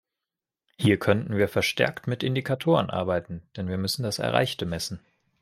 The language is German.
Hier könnten wir verstärkt mit Indikatoren arbeiten, denn wir müssen das Erreichte messen.